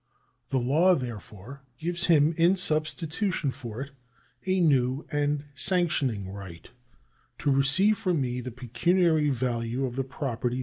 The law, therefore, gives him in substitution for it a new and sanctioning right to receive from me the pecuniary value of the property that §